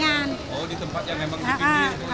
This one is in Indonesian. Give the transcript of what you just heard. oh di tempat yang memang di sini ya